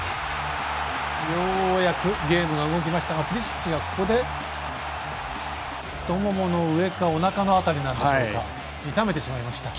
ようやくゲームが動きましたがプリシッチがここで太ももの上かおなかの辺りなんでしょうか痛めてしまいました。